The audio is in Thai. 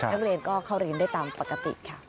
นักเรียนก็เข้าเรียนได้ตามปกติค่ะ